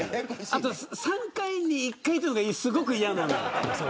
あと３回に１回とかすごく嫌なのよ。